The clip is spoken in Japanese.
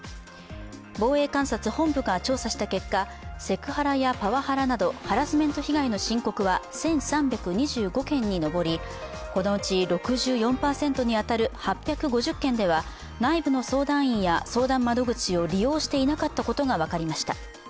防衛監察本部が調査した結果セクハラやパワハラなどハラスメント被害の申告は１３２５件に上りこのうち６４％に当たる８５０件では内部の相談員や相談窓口を利用していなかったことが分かりました。